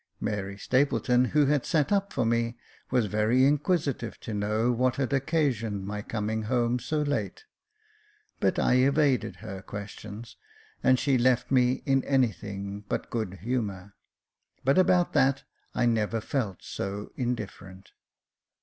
Mary Stapleton, who had sat up for me, was very inquisitive to know what had occasioned my coming home so late ; but I evaded her questions, and she left me in anything but good humour 5 but about that I never felt so indifferent.